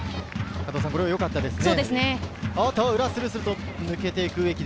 これはよかったですね。